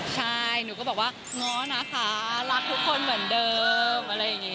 ใช่หนูก็บอกว่าง้อนะคะรักทุกคนเหมือนเดิม